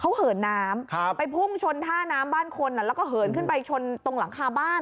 เขาเหินน้ำไปพุ่งชนท่าน้ำบ้านคนแล้วก็เหินขึ้นไปชนตรงหลังคาบ้าน